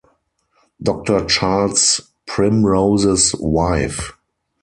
Doctor Charles Primrose's wife.